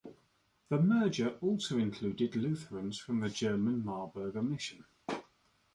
The merger also included Lutherans from the German Marburger Mission.